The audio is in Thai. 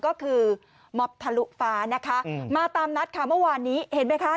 ก็คือม็อบทะลุฟ้านะคะมาตามนัดค่ะเมื่อวานนี้เห็นไหมคะ